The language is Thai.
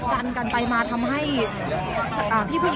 ก็ไม่มีใครกลับมาเมื่อเวลาอาทิตย์เกิดขึ้น